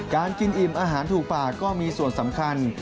การกินอิ่มอาหารถูกปากก็มีส่วนสำคัญ